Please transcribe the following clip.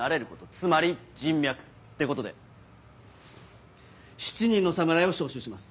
つまり人脈ってことで７人の侍を招集します。